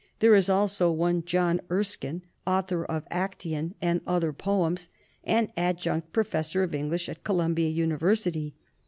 There is also one John Erskine, author of Act&on and Other Poems, and Adjunct Professor of English at Columbia University.